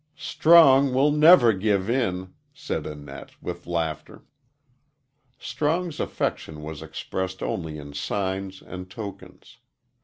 "Strong will never give in," said Annette, with laughter. Strong's affection was expressed only in signs and tokens.